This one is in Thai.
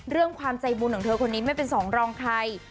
เรื่องความใจบุญของเธอคนนี้ไม่เป็นสองรองใคร